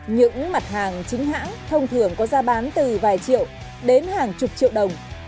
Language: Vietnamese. những mặt hàng chính hãng thông thường có giá bán từ vài triệu đến hàng chục triệu đồng